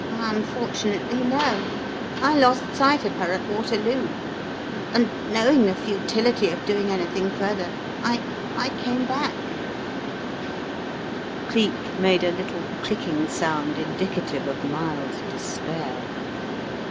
"Unfortunately, no, I lost sight of her at Waterloo, and knowing the futility of doing anything further — I — I came back " Cleek made a little clicking sound indicative of mild despair.